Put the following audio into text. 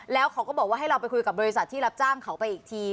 แล้วเขาก็บอกว่าให้เราไปคุยกับบริษัทที่รับจ้างเขาไปอีกที